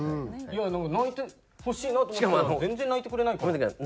いや泣いてほしいなと思ったら全然泣いてくれないから。